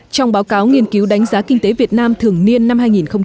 trong báo cáo nghiên cứu đánh giá kinh tế việt nam thường niên năm hai nghìn một mươi chín